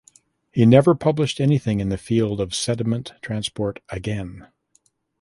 He never published anything in the field of sediment transport again.